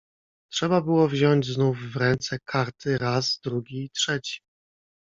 "Trzeba było wziąć znów w ręce karty, raz, drugi i trzeci."